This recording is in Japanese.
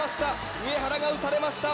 上原が打たれました。